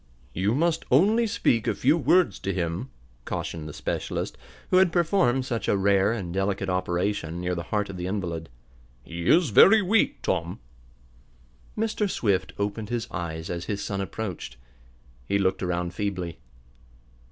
"You must only speak a few words to him," cautioned the specialist, who had performed such a rare and delicate operation, near the heart of the invalid. "He is very weak, Tom." Mr. Swift opened his eyes as his son approached. He looked around feebly.